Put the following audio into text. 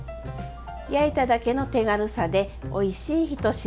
焼いただけの手軽さでおいしい一品に。